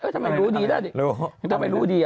ทำไมรู้ดี